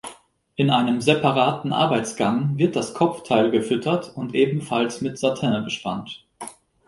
In einem separaten Arbeitsgang wird das Kopfteil gefüttert und ebenfalls mit Satin bespannt.